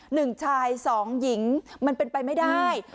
หนึ่งชายสองหญิงมันเป็นไปไม่ได้